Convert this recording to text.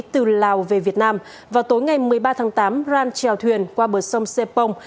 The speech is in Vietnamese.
từ lào về việt nam vào tối ngày một mươi ba tháng tám aran treo thuyền qua bờ sông sê pông